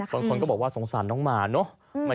บางคนก็บอกว่าสงสารน้องหมาเนอะ